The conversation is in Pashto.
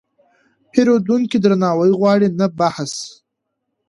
پیرودونکی درناوی غواړي، نه بحث.